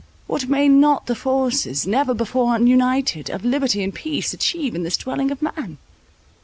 What may not the forces, never before united, of liberty and peace achieve in this dwelling of man?"